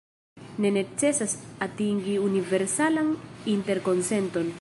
Ne necesas atingi universalan interkonsenton.